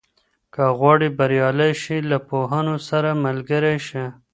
که غواړې بریالی شې، له پوهانو سره ملګری شه.